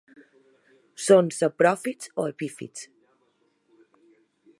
Són sapròfits o epífits.